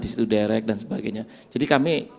di situ derek dan sebagainya jadi kami